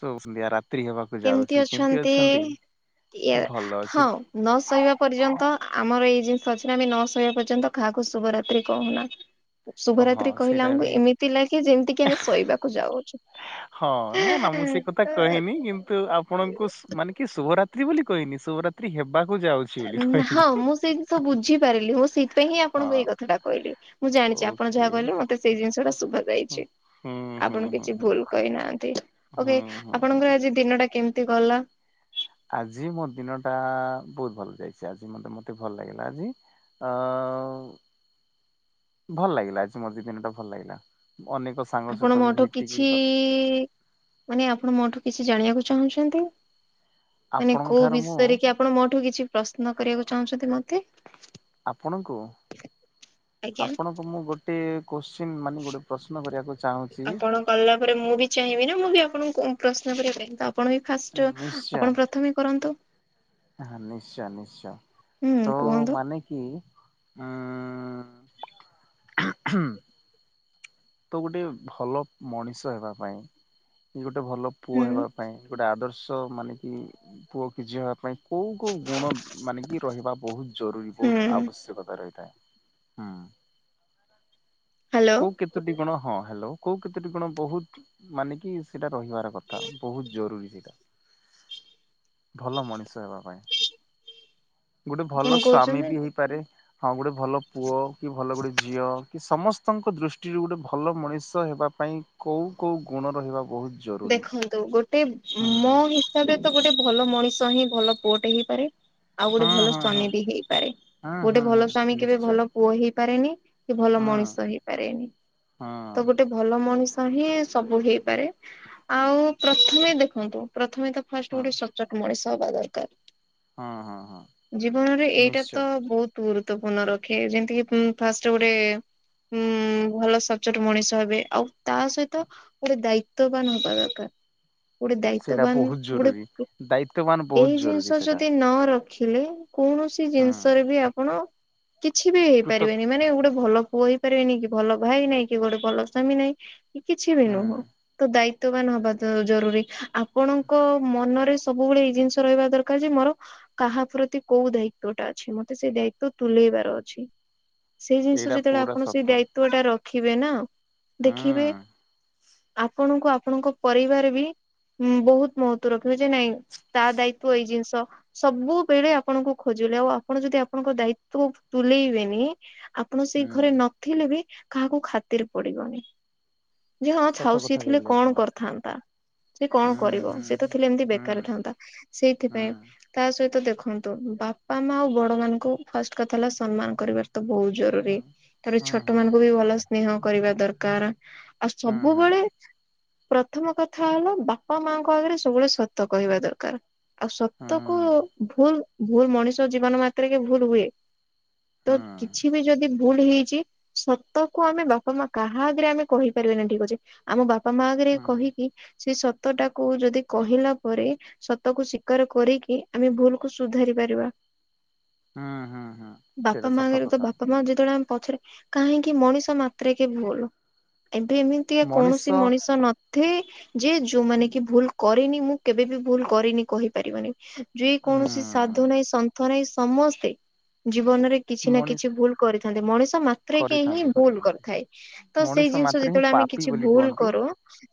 କେତେବେଳେ କରୁଛନ୍ତି ଆ ରା କେମିତି ଅଛନ୍ତି? ଇଏ ଭଲ ଅଛି ହଁ ନ ଶୋଇବା ପର୍ଯ୍ୟନ୍ତ ଆମର ଏଇ ଜିନିଷ ଅଛି ନା ଆମେ ନ ଶୋଇବା ପର୍ଯ୍ୟନ୍ତ କାହାକୁ ଶୁଭରାତ୍ରି କହୁନା। ହଁ ଶୁଭରାତ୍ରି କହିଲା ସେଇଟା ଆମକୁ ବି ଏମିତି ଲାଗେ ଯେମିତିକି ଆମେ ଶୋଇବାକୁ ଯାଉଛୁ। ହଁ ନା ନା ମୁଁ ସେ କଥା କହିନି କିନ୍ତୁ ଆପଣଙ୍କୁ ମାନେ କି ଶୁଭରାତ୍ରି ବୋଲି କ କହିନି ଶୁଭରାତ୍ରୀ ହେବାକୁ ଯାଉଛି ବୋଲି କହିଲି ହଁ ମୁଁ ସେଇ ଜିନିଷ ବୁଝିପାରିଲି ମୁଁ ସେଇଥିପାଇଁ ହିଁ ଆପଣଙ୍କୁ ହଁ ଏଇ କଥାଟା କହିଲି ମୁଁ ଜାଣି ଛି ଆପଣ ଯାହା ଓକେ। କହିଲେ ମତେ ସେଇ ଜିନିଷ ଟା ଶୁଭ ଯାଇଛି ହୁଁ ହୁଁ ଆପଣ ହୁଁ କିଛି ହୁଁ ଭୁଲ କହିନାହାନ୍ତି। ହୁଁ ଓକେ ହୁଁ ହୁଁ ହୁଁ। ଆପଣଙ୍କର ଆଜି ଦିନ ଟା କେମିତି ଗଲା। ଆଜି ମୋ ଦିନ ଟା ବହୁତ ଭଲ ଯାଇଛି ଆଜି ମତେ ମତେ ଭଲ ଲାଗିଲା ଆଜି ଅ। ଭଲ ଲାଗିଲା ଆଜି ମୋ ଦି ଦିନ ଟା ଭଲ ଲାଗିଲା। ଅନେକ ସାଙ୍ଗ ଆପଣ ସହିତ ବି ମୋଠୁ ଭେଟିକି କିଛି ମାନେ ଆପଣ ମୋଠୁ କିଛି। ଜାଣିବାକୁ ଚାହୁଁଛନ୍ତି ମାନେ ଆପଣଙ୍କ କୋଉ ଠାରୁ ମୁଁ ବିଷୟରେ କି ଆପଣ ମୋଠୁ କିଛି। ପ୍ରଶ୍ନ କରିବାକୁ ଚାହୁଁଛନ୍ତି ମତେ। ଆପଣଙ୍କୁ? ଆଜ୍ଞା ଆପଣଙ୍କୁ ମୁଁ ଗୋଟେ କୋଶ୍ଚିନ୍ ମାନେ ଗୋଟେ ପ୍ରଶ୍ନ କରିବାକୁ। ଚାହୁଁଛି। ଆପଣ କଲା ପରେ ମୁଁ ବି ଚାହିଁବି ନା ମୁଁ ବି ଆପଣଙ୍କୁ ପ୍ରଶ୍ନ କରିବା ପାଇଁ। ତ ଆ ଆପଣ ହିଁ ଫାଷ୍ଟ ନିଶ୍ଚୟ ଆପଣ ପ୍ରଥମେ କରନ୍ତୁ। ହଁ ନିଶ୍ଚୟ ନିଶ୍ଚୟ ହୁଁ ତ କୁହନ୍ତୁ ମାନେ କି। ଉଁ। ତ ଗୋଟେ ଭଲ ମଣିଷ ହେବା ପାଇଁ କି ଗୋଟେ। ଗୋଟେ ଭଲ ପୁଅ ହୁଁ ହେବା ପାଇଁ ଗୋଟେ ଆଦର୍ଶ ମାନେ କି ପୁଅ କି ଝିଅ ହେବା ପାଇଁ। କୋଉ କୋଉ ଗୁଣ ମାନେ କି ରହିବା ବହୁତ ଜରୁରୀ ହୁଁ ବହୁତ ଆବଶ୍ୟକତା ରହିଥାଏ? ହୁଁ ହ୍ୟାଲୋ କୋଉ କେତୋଟି ଗୁଣ। ହଁ ହାଲୋ କୋଉ କେତଟି ଗୁଣ ବହୁତ ମାନେ କି ସେଟା ରହିବାର କଥା ବହୁତ ଜରୁରୀ ସେଇଟା। ଭଲ ମଣିଷ ହେବା ପାଇଁ। ଗୋଟେ ଭଲ ଆପଣ ସ୍ଵାମୀ କହୁଛନ୍ତି ବି ହେଇପାରେ ହଁ ଗୋଟେ ଭଲ ପୁଅ, କି ଭଲ ଗୋଟେ ଝିଅ କି ସମସ ସ୍ତ ଙ୍କ ଦୃଷ୍ଟିରୁ ଗୋଟେ ଭଲ ମଣିଷ ହେବା ପାଇଁ କୋଉ କୋଉ ଗୁଣ ରହିବା। ବହୁତ ଜରୁରି। ଗଟେ ମୋ ହିସାବରେ ତ ଗୋଟେ ଭଲ ମଣିଷ ହିଁ ଭଲ ପୁଅଟେ ହେଇପାରେ। ଆଉ ଗୋଟେ ହଁ ଭଲ ହଁ ହଁ ସ୍ଵାମୀ ବି ହେଇପାରେ ହଁ ଗୋଟେ ହଁ ଭଲ ସ୍ଵାମୀ ହଁ କେବେ ନିଶ୍ଚୟ ଭଲ ପୁଅ ହେଇପାରେ ନି। କି ଭଲ ହଁ ମଣିଷ ହେଇପାରେନି ହଁ ତ ଗୋଟେ ଭଲ ମଣିଷ ହିଁ ସବୁ ହେଇପାରେ। ଆଉ ପ୍ରଥମେ ଦେଖନ୍ତୁ ପ୍ରଥମେ ତ ଫାଷ୍ଟ ହଁ ଗୋଟେ ସଚୋଟ ମଣିଷ ହବା ଦରକାର। ହଁ ହଁ ହଁ ଜୀବନରେ ଏଇଟା ନିଶ୍ଚୟ ତ ବହୁତ। ଗୁରୁତ୍ୱପୂର୍ଣ୍ଣ ରଖେ ଯେମତି ଉଁ କି ଫାଷ୍ଟ ରେ ଗୋଟେ। ଉଁ ଭଲ ସଚୋଟ ମଣିଷ ହେବେ ଆଉ ତା ସହିତ ଗୋଟେ ଦାୟି ତ୍ବ ବାନ ହବା ଦରକାର। ଗୋଟେ ସେଇଟା ଦାୟିତ୍ୱବାନ ବହୁତ ଗୋଟେ ଜରୁରୀ। ଉ ଦାୟିତ୍ୱବାନ ବହୁତ ଏଇ ଜରୁରୀ ଜିନିଷ ସେଇଟା ଯଦି ନ ର ଖିଲେ କୌଣସି ହୁଁ ଜିନିଷରେ ବି ଆପଣ। କିଛି ବି କୃତକ ହେଇପାରିବେନି ମାନେ ଗୋଟେ ଭଲ ପୁଅ ହେଇପାରିବେନି କି ଭଲ ଭାଇ ନାଇଁ କି ଗୋଟେ ଭଲ ସ୍ଵାମୀ ନାଇଁ। କି କିଛି ବି ନୁହଁ। ହୁଁ ତ ଦାୟିତ୍ୱବାନ ହବା ଜ-ଜରୁରୀ ଆପଣଙ୍କ ମନରେ ସବୁବେଳେ ଏଇ ଜିନିଷ ରହିବା ଦରକାର ଯେ ମ କାହା ପ୍ରତି କୋଉ ଦାୟିତ୍ୱ ଟା ଅଛି ମତେ ସେଇ ଦାୟିତ୍ୱ ତୁଲେଇବାର ଅଛି। ସେଇ ଜିନିଷ ଏଇଟା ଯେତେବେଳେ ପୁରା ଆପଣ ସତ ସେଇ ଦାୟିତ୍ଵ ଟା ରଖିବେ ନା ହୁଁ ଦେଖିବେ। ଆପଣଙ୍କୁ ଆପଣଙ୍କ ପରିବାର ବି। ଉଁ ବହୁତ ମହତ୍ତ୍ଵ ରଖିବ ଯେ ନାଇଁ ତା ଦାୟିତ୍ଵ ଏଇ ଜିନିଷ ସବୁବେଳେ ଆପଣଙ୍କୁ ଖୋଜ [unintelligible] ଆଉ ଆପଣ ଯଦି ଆପଣଙ୍କ ଦାୟିତ୍ଵ ତୁଲେଇବେନି। ଆପଣ ସେଇ ହୁଁ ଘରେ ନଥିଲେ ବି କାହାକୁ ଖାତିର ପଡିବନି ଯେ ହଁ ସତ ଥାଉ ସିଏ କଥା ଥିଲେ କହିଲେ କଣ ଆପଣ କରିଥାନ୍ତା। ସେ କଣ ହୁଁ କରିବ ହୁଁ ସେ ତ ହୁଁ ଥିଲେ ଏମିତି ବେକାର ହୁଁ ଥାନ୍ତା ହୁଁ। ସେଇଥିପାଇଁ ତା ସହିତ ଦେଖ ଦେଖନ୍ତୁ ବାପା ମା ଆଉ ବଡ ମାନଙ୍କୁ ଫାର୍ଷ୍ଟ କଥା ହେଲା ସନ୍ମାନ୍ କରିବାର ତ ବହୁ ଜରୁରୀ ତାପରେ ଛୋଟ ମାନଙ୍କୁ ବି ଭଲ ସ୍ନେହ କରିବା ଦରକାର ବୁବେଳେ। ପ୍ରଥମ କଥା ହେଲା ବାପା ମା ଙ୍କ ଆଗରେ ସବୁବେଳେ ସତ କହିବା ଦରକାର। ଆଉ ସତ କୁ ଭୁଲ ଭୁଲ ମଣିଷ ଜୀବନ ମାତ୍ରେକେ ଭୁଲ ହୁଏ। ତ କିଛି ବି ଯଦି ଭୁଲ ହେଇଛି ସତ କୁ ଆମେ ବାପା ମା କାହା ଆଗରେ ଆମେ କହିପାରିବାନି ଠିକ ଅଛି ଆମ ବା ବାପା ମା ଆଗେରେ କହିକି ସେ ସ ସତ ଟାକୁ ଯଦି କହିଲା ପରେ ସତ କୁ ସ୍ବୀକାର କରିକି ଆମେ ଭୁଲ କୁ ସୁଧାରି ପାରିବା। ହୁଁ ହୁଁ ହୁଁ ବାପା ସେଇଟା ମା ସତ ଆଗରେ ତ କଥା। ବାପା ମା ଯେତେବେଳେ ଆମେ ପଛରେ କାହିଁକି ମଣିଷ ମାତ୍ରେକେ ଭୁଲୁ ଏବେ ଏମି ତିଆ ମଣିଷ କୌଣସି ମଣିଷ ନ ଥେ ଯେ ଯୋଉମାନେ କି ଭୁଲ କରେନି ମୁଁ କେବେ ବି ଭୁଲ କରେନି କହିପାରିବନି। ହୁଁ ଯେକୌଣସି ସାଧୁ ନାହିଁ ସନ୍ଥ ନାହିଁ ସମସ୍ତେ ଜୀବନରେ କିଛି ନା ମଣିଷ କିଛି ଭୁଲ କରି ମାତ୍ରେକେ ହିଁ କରିଥାନ୍ତି ଭୁଲ କରିଥାନ୍ତି କରିଥାଏ ତ ସେଇ ମଣିଷ ଜିନିଷ ମାତ୍ରେ ହିଁ ଯେତେବେଳେ ଆମେ କି ପାପି କିଛି ବୋଲି ଭୁଲ କୁହନ୍ତି କରୁ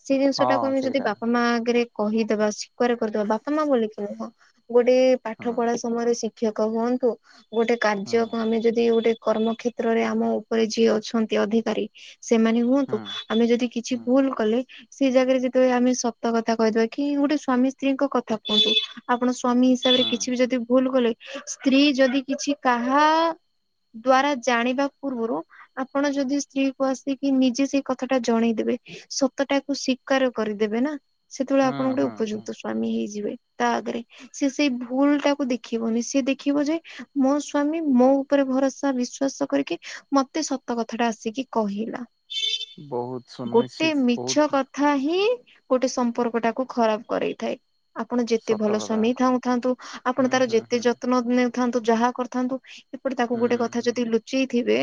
ସେ ହଁ ଜିନିଷଟାକୁ ଆମେ ଯଦି ସେଇଟା ବାପା ମା ଆଗେରେ କହିଦବା ସ୍ଵି କାର ଉପରେ କରିଦବା ବାପା ମା ବୋଲି କି ନୁହଁ ଗୋଟେ ହଁ ପାଠ ପଢା ସମୟରେ ଶିକ୍ଷକ ହୁଅନ୍ତୁ। ଗୋଟେ ହଁ କାର୍ଯ୍ୟ କୁ ଆମେ ଯଦି ଗୋଟେ କର୍ମ କ୍ଷେତ୍ର ରେ ଆମ ଉପରେ ଯିଏ ଅଛନ୍ତି ଅଧିକାରୀ। ସେମାନେ ହଁ ହୁଅନ୍ତୁ ଆମେ ଯଦି କିଛି ହଁ ଭୁଲ କଲେ। ସେଇ ଜାଗାରେ ଯେତେବେଳେ ଆମେ ସତ କଥା କହିଦବା କି ଗୋଟେ ସ୍ଵାମୀ ସ୍ତ୍ରୀଙ୍କ କଥା କୁହନ୍ତୁ ଆପଣ ସ ସ୍ଵାମୀ ହିସାବରେ ହଁ କିଛି ବି ଯଦି ଭୁଲ କଲେ ସ୍ତ୍ରୀ ଯଦି କିଛି କାହା। ଦ୍ଵାରା ଜାଣିବା ପୂର୍ବରୁ ଆପଣ ଯଦି ସ୍ତ୍ରୀ କୁ ଆସିକି ନିଜେ ସେ କଥା ଟା ଜଣେଇଦେବେ ସତ ଟାକୁ ସ୍ବୀକାର କରିଦେବେ ନା। ସେତେବେଳେ ହଁ ଆପଣ ଗୋଟେ ହଁ ହଁ ଉପଯୁକ୍ତ ସ୍ଵାମୀ ହେଇଯିବେ। ତା ଆଗରେ ସେ ସେଇ ଭୁଲ ଟାକୁ ଦେଖିବନି ସେ ଦେଖିବ ଯେ ମୋ ସ୍ଵାମୀ ମୋ ଉପରେ ଭରସା ବିଶ୍ଵାସ କରିକି ମତେ ସତ କଥା ଟା ଆସିକି କହିଲା। ବହୁତ ଗୋଟେ ସୁନିଶ୍ଚିତ ବହୁତ ମିଛ କଥା ହିଁ ଗୋଟେ ସମ୍ପର୍କ ଟାକୁ ଖରାପ କରେଇଥାଏ। ଆପଣ ଯେତେ ସତ ଭଲ କଥା ସ୍ଵାମୀ ଥାଉଁ ଥାନ୍ତୁ ହୁଁ ଆପଣ ତାର ହୁଁ ଯେତେ ହୁଁ ଯତ୍ନ ନେ ଥାନ୍ତୁ ଯାହା କରିଥାନ୍ତୁ ଏପଟେ ତାକୁ ହୁଁ ଗୋଟେ କଥା ହୁଁ ଯଦି ଲୁଚେଇ ଥିବେ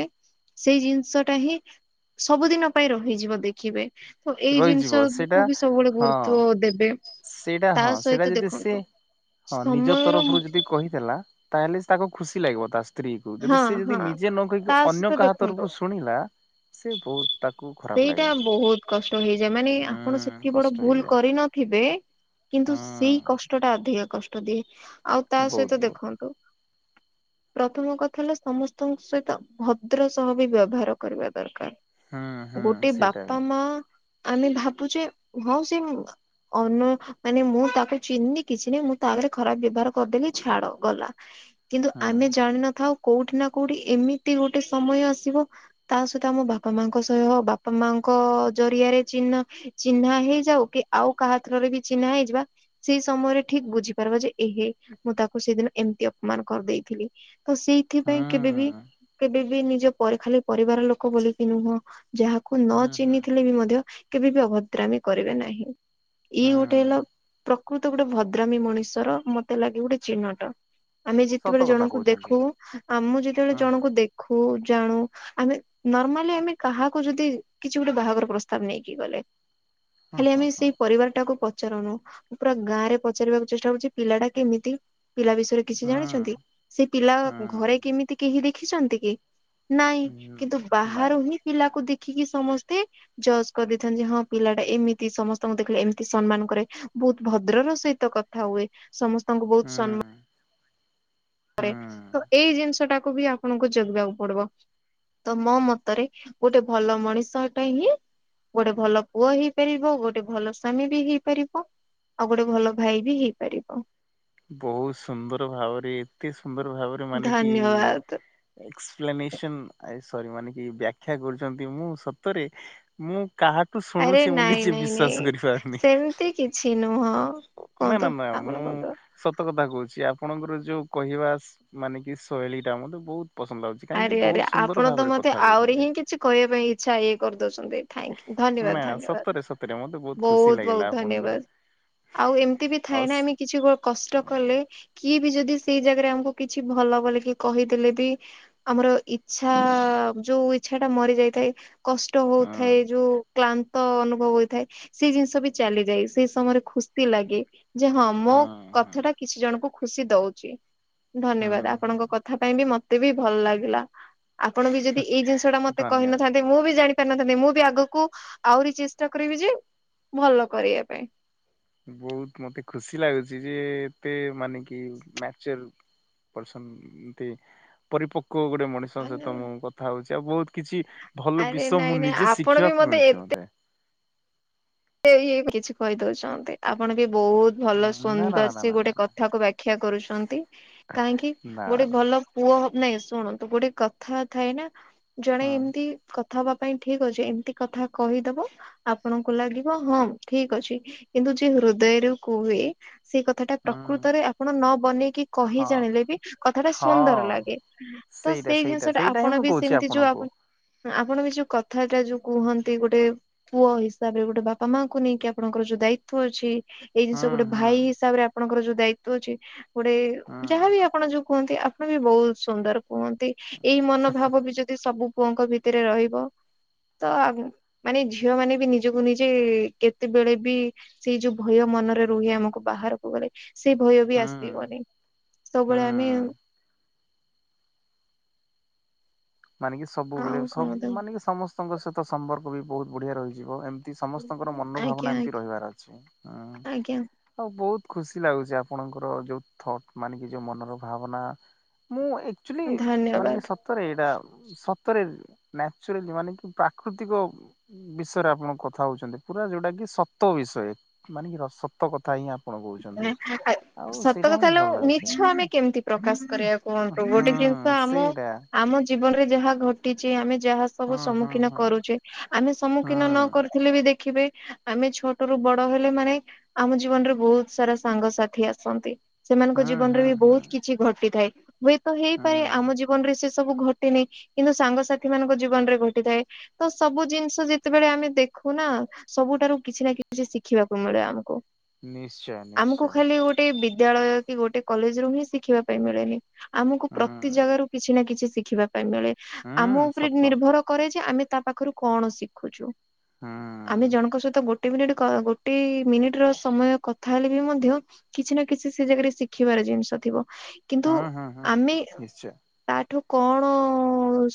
ସେଇ ଜିନିଷ ଟା ହିଁ ସବୁଦିନ ପାଇଁ ରହିଯିବ ଦେଖିବେ। ତ ଏଇ ରହିଯିବ ଜିନିଷ ସେଇଟା କୁ ବି ସବୁବେଳେ ହଁ ଗୁରୁତ୍ବ ଦେବେ। ସେଇଟା ତା ହଁ ସେଇଟା ସହିତ ଯଦି ସେ ଦେଖନ୍ତୁ ହଁ ନିଜ ସମୟର ତରଫରୁ ଯଦି କହିଦେଲା। ତାହେଲେ ତାକୁ ଖୁସି ଲାଗିବ ତା ସ୍ତ୍ରୀ କୁ ଯଦି ହଁ ସେ ଯଦି ହଁ ନିଜେ ନ କହିକି ତା ଅନ୍ୟ ସହିତ କାହା ଦେଖନ୍ତୁ ତରଫରୁ ଶୁଣିଲା। ସେ ବହୁତ ତାକୁ ଖରାପ ଲାଗେ। ତ ହେଇଯାଏ ମାନେ ଆପଣ ହୁଁ ସେତିକି ବଡ କଷ୍ଟ ଭୁଲ ହେଇଯାଏ କରି ନଥିବେ କିନ୍ତୁ ସେଇ ହୁଁ କଷ୍ଟ ଟା ଅଧିକ କଷ୍ ଷ୍ଟ ଦିଏ। ଆଉ ତା ବହୁତ ସହିତ ବହୁତ ଦେଖନ୍ତୁ, ପ୍ର ପ୍ରଥମ କଥା ହେଲା ସମସ୍ତଙ୍କ ସହିତ ଭଦ୍ର ସହ ବି ବ୍ୟବହାର କରିବା ଦରକାର। ହୁଁ ହୁଁ ଗୋଟେ ସେଇଟା ବାପା, ବି ମା ଆମେ ଭାବୁଛେ ହଁ ସେ ମ ଅନ ମାନେ ମୁଁ ତାକୁ ଚିହ୍ନନି କିଛି ନାହିଁ, ମୁଁ ତା ଆଗରେ ଖରାପ ବ୍ୟବହାର କରିଦେଲି ଛାଡ ଗଲା। କିନ୍ତୁ ହୁଁ ଆମେ ଜାଣିନ ଥାଉ କୋଉଠି ନା କୋଉଠି ଏମିତି ଗୋଟେ ସମୟ ଆସିବ ତା ସହିତ ଆମ ବାପା ମାଙ୍କ ସହ ବାପା, ମା ଙ୍କ ଜରିଆରେ ଚିହ୍ନ ଚିହ୍ନା ହେଇଯାଉ କି ଆଉ କାହା ଥ୍ରୋ ରେ ବି ଚିହ୍ନା ହେଇଯିବା ସେଇ ସମୟରେ ଠିକ ବୁଝିପାରବା ଯେ ଏ ହେ ମୁଁ ତାକୁ ସେଇଦିନ ଏମତି ଅପମାନ କରି ଦେଇଥିଲି। ତ ସେଇଥିପାଇଁ କେବେ ବିି ହୁଁ କେବେ ବି ନିଜ ପର ଖାଲି ପରିବାର ଲୋକ ବୋଲିକି ନୁହଁ ଯାହାକୁ ନ ହୁଁ ଚିହ୍ନି ହୁଁ ଥିଲେ ବି ମଧ୍ୟ କେବେବି ଅଭଦ୍ରାମି କରିବେ ନାହିଁ। ଇଏ ଗୋଟେ ହେଲା, ହୁଁ ପ୍ର କତ ଗୋଟେ ଭଦ୍ରାମି ମଣିଷର ମତେ ଲାଗେ ଗୋଟେ ଚିହ୍ନଟ ଆମେ ସତ ଯେତେବେଳେ କଥା ଜଣଙ୍କୁ ଦେ କହୁଛନ୍ତି ଖୁ ଆମ ଯେତେବେଳେ ହୁଁ ଜଣଙ୍କୁ ଦେଖୁ ଜାଣୁ ଆମେ ନର୍ମାଲି ଆମେ କାହାକୁ ଯଦି କିଛି ଗୋଟେ ବାହାଘର ପ୍ରସ୍ତାବ ନେଇକି ଗଲେ ହଁ ଖାଲି ହଁ ଆମେ ହଁ ସେଇ ପରିବାରଟାକୁ ପ ଚାରୁନୁ ମୁଁ ପୁରା ଗାଁ ରେ ପଚାରିବାକୁ ଚେଷ୍ଟା କରୁଚି ପିଲାଟା କେମିତି? ପିଲା ବିଷୟରେ କିଛି ଜାଣିଛନ୍ତି, ସେ ପିଲା ହୁଁ ଘରେ କେମିତି କେହି ଦେଖିଛନ୍ତି କି? ନାଇଁ ହୁଁ କିନ୍ତୁ ନାଇଁ ବାହାରୁ ହିଁ ପିଲାକୁ ଦେ ଖିକି ସମସ୍ତେ ଜଜ୍ କରିଦେଇଥାନ୍ତି, ହଁ ପିଲାଟା ଏମିତି ସମସ୍ତଙ୍କୁ ଦେଖିଲେ ଏମିତି ସମ୍ମାନ କରେ। ବହୁତ ଭଦ୍ରର ସହିତ କଥା ହୁଏ। ସମ ସ୍ତଙ୍କୁ ବହୁତ ହୁଁ ସମ୍ମାନ ହୁଁ କରେ ତ ଏଇ ଜିନିଷଟା କୁ ବି ଆପଣଙ୍କୁ ଜଗିବାକୁ ପଡିବ। ତ ମୋ ମତରେ ଗୋଟେ ଭଲ ମଣିଷଟା ହିଁ ଗୋଟେ ଭଲ ପୁଅ ହେଇପାରିବ, ଗୋଟେ ଭଲ ସ୍ଵାମୀ ବି ହେଇପାରିବ। ଆଉ ଗୋଟେ ଭଲ ଭାଇ ବି ହେଇପାରିବ। ବହୁତ ସୁନ୍ଦର ଭାବରେ ଏତେ ସୁନ୍ଦର ଭାବରେ ମାନେ କି ଧନ୍ୟବାଦ ଏକ୍ସପ୍ଲାନେସନ ଆ ସରି ମାନେ କି ବାଖ୍ୟା କରୁଛନ୍ତି, ମୁଁ ସତରେ ମୁଁ କାହାଠୁ ଆରେ ଶୁଣୁଛି ମୁଁ ନାଇଁ ନିଜେ ନାଇଁ ନାଇଁ ବିଶ୍ଵାସ କରିପାରୁନି। ସେମିତି କିଛି ନୁହଁ ନା କୁହନ୍ତୁ ନା ନା ଆପଣ ମୁଁ କୁହନ୍ତୁ। ସତ କଥା କହୁଛି ଆପ ଆପଣଙ୍କର ଯୋଉ କହିବା ଶ ମାନେ କି ଶୈଳୀଟା ମୋତେ ବହୁତ ପସନ୍ଦ ଲାଗୁଛି କାହିଁକି ଆରେ ଆରେ ବହୁତ ସୁନ୍ଦର ଆପଣ ତ ଭାବରେ ମତେ କଥା ଆହୁରି କହୁଛନ୍ତି। ହିଁ କିଛି କହିବା ପାଇଁ ଇଚ୍ଛା ଇଏ କରିଦଉଛନ୍ତି। ଥାଇଙ୍କି ଧନ୍ୟବାଦ ନା ଧନ୍ୟବାଦ। ସତରେ ସତରେ ମତେ ଖୁସି ବହୁତ ଲାଗିଲା ବହୁତ ଆପଣଙ୍କର ଧନ୍ୟବାଦ। ଆଉ ଏମିତି ବି ଥାଏ ଆଉ ନା ଆମେ କିଛି କଷ୍ଟ ହଁ କଲେ କି କେହି ବି ଯଦି ସେଇ ଜାଗାରେ ଆମକୁ କିଛି ଭଲ ବୋଲିକି କହିଥିଲେ ବି ଆମର ଇଚ୍ଛା ଯୋଉ ଇଚ୍ଛାଟା ମରି ଯାଇଥାଏ, କଷ୍ଟ ହଉଥାଏ ଯୋଉ କ୍ଳାନ୍ତ ଅନୁଭବ ହୋଇଥାଏ ସେଇ ଜିନଷ ବି ଚାଲିଯାଏ, ସେଇ ସମୟରେ ଖୁସି ଲାଗେ। ଯେ ହଁ ମୋ କଥାଟା କିଛି ଜଣଙ୍କୁ ଖୁସି ଦଉଚି। ହଁ ଧନ୍ୟବାଦ। ଆପଣଙ୍କ ହଁ କଥା ପାଇଁ ବି ମତେ ବି ଭଲ ଲାଗିଲା। ଆପଣ ବି ଯଦି ଏଇ ଜିନଷ ଟା ମତେ ଧନ୍ୟବାଦ। କହିନଥାନ୍ତେ ମୁଁ ବି ଜାଣିି ପାରିନଥାନ୍ତି ମୁଁ ବି ଆଗକୁ ଆହୁରି ଚେଷ୍ଟା କରିବି ଯେ ଭଲ କରିଆ ପାଇଁ। ବହୁତ ମତେ ଖୁସି ଲାଗୁଚି ଯେ ଏତେ ମାନେ କି ମ୍ୟାଚୋର। ଛନ୍ତି ପରିପକ୍ୱ ଗୋଟେ ମଣିଷଙ୍କ ଧନ୍ୟବାଦ। ସହିତ ମୁଁ କଥା ହଉଛି ଆଉ ବହୁତ କିଛି ଭଲ ଆରେ ବିଷୟ ନାଇଁ ମୁଁ ନାଇଁ ନିଜେ ଆପଣ ବି ଶିଖିବାକୁ ମିଳୁଛି ମତେ। ଏଇ ଏ କିଛି କହି ଦଉଛନ୍ତି ଆପଣ ବି ବହୁତ ଭଲ ହଁ ନା ନା ନା ସୁନ୍ଦର ନା ସେ ନା ଗୋଟେ ନା ନା। କଥାକୁ ବାଖ୍ୟା କରୁଛନ୍ତି କାହିଁକି ନା ଗୋଟେ ନା ଭଲ ପୁଅ ହବ ନାଇଁ ଶୁଣନ୍ତୁ, ଗୋଟେ କଥା ଥାଏ ନା ଜଣେ ହୁଁ ଏମତି କ ବା ପାଇଁ ଠିକ ଅଛି ଏମିତି କଥା କହିଦବ ଆପଣଙ୍କୁ ଲାଗି ହଁ ହଁ ଠିକ ଅଛି କିନ୍ତୁ ଯିଏ ହୃଦୟରୁ କୁହେ ସେଇ କଥା ଟା ହୁଁ। ପ୍ରକୃତରେ ଆପଣ ନ ବନେଇକି କହି ହଁ ଜାଣିଲେ ବି କଥା ଟା ସୁନ୍ଦର ହଁ ଲାଗେ। ତ ସେଇଟା ସେଇ ସେଇଟା ଜିନିଷଟା ସେଇଟା ହିଁ ଆପଣ ମୁଁ ବି କହୁଛି ସେମିତି ଯୋଉ ଆପଣଙ୍କୁ। ଆପଣ ବି ଯୋଉ କଥାଟା ଯୋଉ କୁହନ୍ତି ଗୋଟେ ପୁଅ ହିସାବରେ ଗୋଟେ ବାପା ମାଙ୍କୁ ନେଇକି ଆପଣଙ୍କର ଯୋଉ ଦାୟିତ୍ଵ ଅଛି ଏଇ ହୁଁ ଜିନିଷ ଗୋଟେ ହୁଁ ଭାଇ ହିସାବରେ ଆପଣଙ୍କର ଯୋଉ ଦାୟିତ୍ଵ ଅଛି ଗୋଟେ ହୁଁ ଯାହାବି ଆପଣ ଯୋଉ କୁହନ୍ତି ଆପଣ ବି ବହୁତ ସୁନ୍ଦର କୁହନ୍ତି ଏଇ ମନୋଭାବ ବି ଯଦି ସବୁ ପୁଅଙ୍କ ଭିତରେ ରହିବ ତ ମାନେ ଝିଅ ମାନେ ବି ନିଜକୁ ନିଜ ଯେ କେତେବେଳେ ବି ସେଇ ଯୋଉ ଭୟ ମନରେ ରୁହେ ଆମକୁ ବାହାରକୁ ଗଲେ ସେ ଭୟ ବି ହୁଁ ଆସିବନି ସବୁବେଳେ ଆମେ ହୁଁ। ମାନେ କି ସବୁବେଳେ ଆଉ କଣ ସବୁ ମାନେ କି ସମସ୍ତଙ୍କ ସହିତ ସମ୍ପର୍କ ବି ବହୁତ ବଢିଆ ରହିଯିବ ଏମ ସମସ୍ତଙ୍କର ଆଜ୍ଞା ମନୋଭାବନା ଏମିତି ଆଜ୍ଞା ରହିବାର ଅଛି ହଁ ଆଜ୍ଞା ଆଉ ବହୁତ ଖୁସି ଲାଗୁଛି ଆପଣଙ୍କର ଯୋଉ ଥଟ୍ ମାନେ କି ଯୋଉ ମନର ଭାବନା ମୁଁ ଆକ୍ଚୁଲି ଧନ୍ୟବାଦ। ମାନେ ସତରେ ଏଇଟା ସତରେ ନ୍ୟାଚୁରାଲି ମାନେ କି ପ୍ରାକୃତିକ ବିଷୟରେ ଆପଣ କଥା ହଉଛନ୍ତି। ପୁରା ଯୋଉଟା କି ସତ ବିଷୟ ମାନେ କି ସତ କଥା ହି ସତକଥା ହିଁ ହେଲେ ଭଲ ଲାଗୁଛି ମିଛ ଆମେ କେମିତି ପ୍ରକାଶ କରିବାକୁ କୁହନ୍ତୁ ଗୋଟେ ଜିନଷ ହୁଁ ଆମ ସେଇଟା। ଆମ ଜୀବନରେ ଯାହା ଘଟିଛି ଆମେ ଯାହା ସବୁ ହୁଁ ହୁଁ ସମ୍ମୁଖୀନ ହୁଁ କରୁଛେ ଆମେ ହୁଁ ସମ୍ମୁଖୀନ ନ କରୁଥିଲେ ବି ଦେଖିବେ ଆମେ ଛୋଟ ରୁ ବଡ ହେଲେ ମାନେ ଆମ ଜୀବନରେ ବହୁତ ସାରା ସାଙ୍ଗସାଥି ଆସନ୍ତି। ସେମାନଙ୍କ ହୁଁ ଜୀବନରେ ହୁଁ ବି ହୁଁ ବହୁତ କିଛି ଘଟିଥାଏ ହୁଏତ ହେଇପାରେ ହୁଁ। ଆମ ଜୀବନରେ ସେ ସବୁ ଘଟିନି କିନ୍ତୁ ସାଙ୍ଗସାଥି ମାନଙ୍କ ଜୀବନ ରେ ଘଟିଥାଏ ତ ସବୁ ଜିନିଷ ଯେତେବେଳେ ଆମେ ଦେଖ ଖୁ ନା ସବୁଠାରୁ କିଛି ନା କିଛି ଶିଖିବାକୁ ମିଳେ ଆମକୁ ନିଶ୍ଚୟ ଆମକୁ ନିଶ୍ଚୟ। ଖାଲି ଗୋଟେ ବିଦ୍ୟାଳୟ କି ଗୋଟେ କଲେଜ ରୁ ହିଁ ଶିଖିବା ପାଇଁ ମିଳେନି ଆମକୁ ହୁଁ ପ୍ରତି ଜାଗା ରୁ କିଛି ନା କିଛି ଶିଖିବା ମିଳେ ଆମ ହୁଁ ଉପରେ ସତ ନିର୍ଭର କରେ ଯେ ଆମେ ତା ପାଖରୁ କଣ ଶିଖୁଛୁ। ହୁଁ। ଆମେ ଜଣଙ୍କ ସହିତ ଗୋଟେ ମିନିଟ୍ ଗୋଟେ ମିନିଟ୍ ର ସମୟ କଥା ତାହେଲେ ବି ମଧ୍ୟ କିଛି ନା କିଛି ସେ ଜାଗାରେ ଶିଖିବାର ଜିନିଷ ଥିବ। କିନ୍ତୁ ହୁଁ ହୁଁ ହୁଁ ଆମେ ନିଶ୍ଚୟ ତାଠୁ କଣ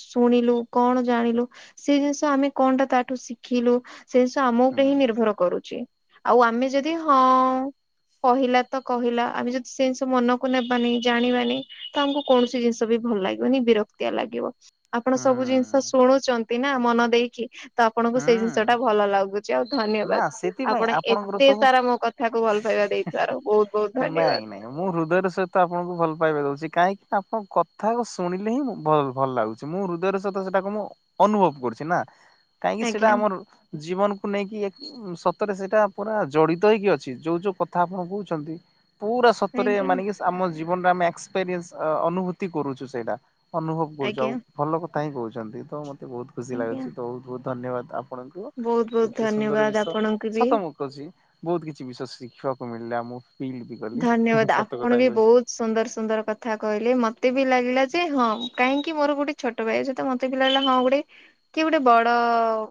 ଶୁଣିଲୁ କଣ ଜାଣିଲୁ ସେ ଜିନିଷ ଆମେ କଣଟା ତାଠୁ ଶିଖିଲୁ ସେ ଜିନିଷ ଆମ ହୁଁ ଉପରେ ହିଁ ନିର୍ଭର କରୁଛି ଆଉ ଆମେ ଯଦି ହଁ କହିଲା ତ କହିଲା ଆମେ ଯଦି ସେ ଜିନିଷ ମନକୁ ନେବାନି ଜାଣିବାନି ତ ଆମକୁ କୌଣସି ଜିନିଷ ବି ଭଲ ଲାଗିବନି ବିରକ୍ତିଆ ଲାଗିବ ଆପଣ ସବୁ ହୁଁ ଜିନିଷ ଶୁଣୁଛନ୍ତି ନା ମନ ଦେଇକି ତ ଆପଣଙ୍କୁ ସେଇ ଜିନିଷ ଟା ହୁଁ। ଭଲ ଲାଗୁଛି ଆଉ ନା ଧନ୍ୟବାଦ ସେଥିପାଇଁ ଆପଣ ଆପଣଙ୍କର ଏତେ ସବୁ ସାରା ମୋ କଥା ନାଇଁ ନାଇଁ ମୁଁ ହୃଦୟରେ ସହିତ ଆପଣଙ୍କୁ ଭଲ ପା ଉଛି କାହିଁକି ନା ଆପଣ କଥା ଶୁଣେ ହିଁ ଭଲ ଲାଗୁଛି ମୁଁ ହୃଦୟ ସହିତ ସେଟାକୁ ମୁଁ ଅନୁଭବ କରୁଛି ନା କାହିଁକି ସେଇଟା ଆଜ୍ଞା ଆମର ଜୀବନକୁ ନେଇକି ରେ ସେଇଟା ପୁରା ଜଡ଼ିତ ହେଇକି ଅଛି ଯୋଉ ଯୋଉ କଥା ଆପଣ କହୁଛନ୍ତି ପୁରା ସତରେ ଆଜ୍ଞା ମାନେ କି ଆମ ଜୀବନରେ ଆମେ ଏକ୍ସପେରିଏନସ୍ ଅନୁଭୂତି କରୁଛୁ ସେଇଟା ଅନୁଭବ କରୁଛ ଆଉ ଆଜ୍ଞା ଭଲ କଥା ହିଁ କହୁଛନ୍ତି ତ ମତେ ବହୁତ ଖୁସି ଆଜ୍ଞା ଲାଗୁଛି ତ ବହୁତ ବହୁତ ଧନ୍ୟବାଦ। ଆପଣଙ୍କୁ ବହୁତ ବହୁତ ଏତେ ସୁନ୍ଦର ଧନ୍ୟବାଦ ବିଷୟ ଆପଣଙ୍କୁ ବି। ସତ ମୁଁ କହୁଛି ବହୁତ କିଛି ବିଷୟ ଶିଖିବାକୁ ମିଳିଲା ମୁଁ ଫିଲ୍ ବି କଲି। ଧନ୍ୟବାଦ ସତ ଆପଣ କଥା ବି କହୁଛି ବହୁତ ସୁନ୍ଦର ସୁନ୍ଦର କଥା କହିଲେ ମତେ ହୁଁ ବି ଲାଗିଲା ଯେ ହଁ କାହିଁକି ମୋର ଗୋଟେ ଛୋଟ ଭାଇ ସହିତ ମତେ ପିଲାବେ ହଁ ଗୋଟେ କି ଗୋଟେ ବଡ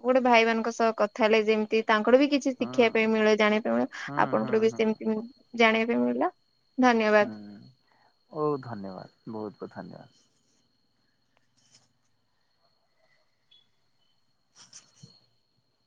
ଗୋଟେ ଭାଇମାନଙ୍କ ସହ କଥା ହେଲେ ଯେମିତି ତାଙ୍କର ବି କିଛି ଶିଖିବା ପାଇଁ ହୁଁ ମିଳେ ଜାଣିବା ପାଇଁ ମିଳେ ହୁଁ ଆପଣଙ୍କରୁ ବି ହୁଁ ସେମିତି ଜାଣିବା ପାଇଁ ମିଳିଳା। ହୁଁ ବହୁତ ଧନ୍ୟବାଦ ବହୁତ ବହୁତ ଧନ୍ୟବାଦ। [inaudible]